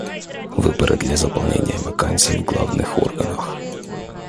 Выборы для заполнения вакансий в главных органах.